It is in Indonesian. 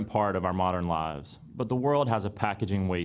tapi dunia ini memiliki masalah pengisian plastik